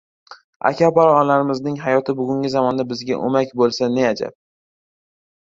aka-opalarimizning hayoti bugungi zamonda bizga o‘mak bo‘lsa ne ajab!